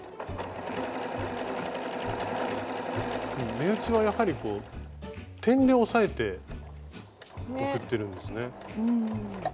目打ちはやはり点で押さえて送ってるんですね。